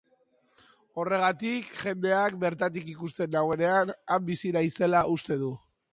Horregatik, jendeak bertatik ikusten nauenean, han bizi naizela uste du.